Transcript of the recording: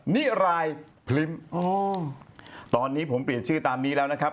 นิรายพลิ้มอ๋อตอนนี้ผมเปลี่ยนชื่อตามนี้แล้วนะครับ